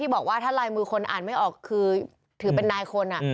บอกว่าถ้าลายมือคนอ่านไม่ออกคือถือเป็นนายคน